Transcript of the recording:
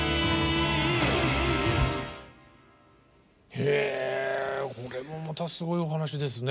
へえこれもまたすごいお話ですね。